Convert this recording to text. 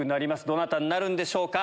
どなたになるんでしょうか。